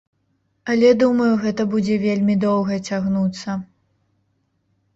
Але думаю, гэта будзе вельмі доўга цягнуцца.